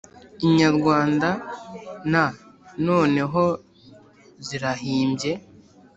Inyarwanda nnoneho zirahimbye